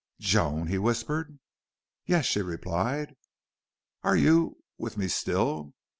"Joan!" he whispered. "Yes," she replied. "Are you with me still?"